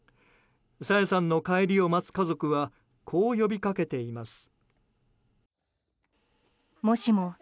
朝芽さんの帰りを待つ家族はこう呼びかけています。